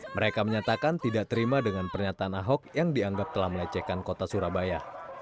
mereka menyatakan tidak terima dengan pernyataan ahok yang dianggap telah melecehkan kota surabaya